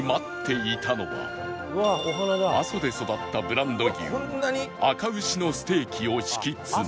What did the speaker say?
阿蘇で育ったブランド牛あか牛のステーキを敷き詰め